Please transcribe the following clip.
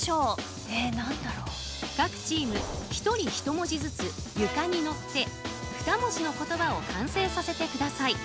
各チーム１人１文字ずつ床に乗って２文字の言葉を完成させて下さい。